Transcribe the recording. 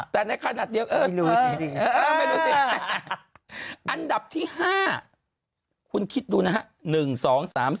แต่ในขนาดเดียวเออไม่รู้สิอันดับที่๕คุณคิดดูนะคะ๑๒๓๔